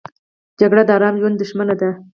جګړه د آرام ژوند دښمنه ده